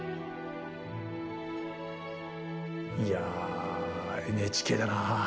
いやＮＨＫだなあ。